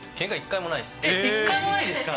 １回もないですか？